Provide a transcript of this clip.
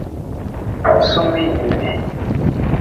Sumih hinuhi.